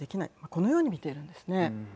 このように見ているんですね。